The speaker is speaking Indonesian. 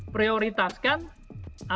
prioritaskan aplikasi yang sudah ada